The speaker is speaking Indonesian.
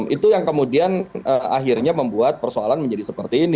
itu yang kemudian akhirnya membuat persoalan menjadi seperti ini